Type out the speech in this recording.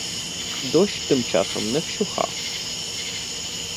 Дощ тим часом не вщухав.